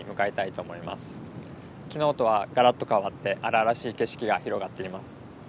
昨日とはガラッと変わって荒々しい景色が広がっています。